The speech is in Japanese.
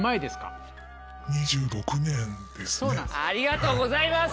ありがとうございます！